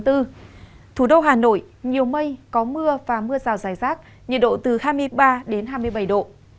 thủ đô hà nội nhiều mây có mưa và mưa rào dài rác nhiệt độ từ hai mươi ba đến hai mươi bảy độ